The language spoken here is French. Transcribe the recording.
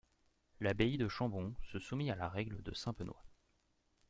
L'abbaye de Chambon se soumit à la règle de saint Benoit.